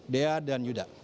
dea dan yuda